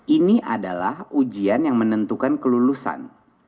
ini adalah ujian yang menentukan kelulusan